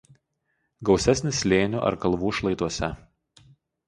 Gausesnis slėnių ar kalvų šlaituose.